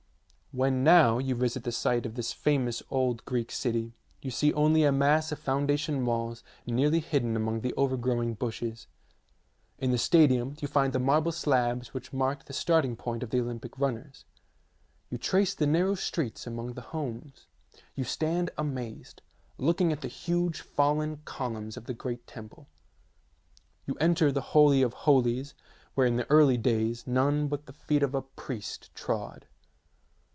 When now you visit the site of this famous old Greek city you see only a mass of foundation walls nearly hidden among the overgrowing bushes. In the stadium you find the marble slabs which . marked the starting point of the Olympic runners. You trace the narrow streets among the homes. You stand amazed, looking at the huge fallen columns of the great temple. You enter the holy of holies where in the early days none but the feet of a priest trod.